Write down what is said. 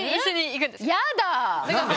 やだ！